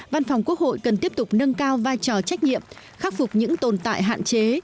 văn phòng quốc hội cần tiếp tục nâng cao vai trò trách nhiệm khắc phục những tồn tại hạn chế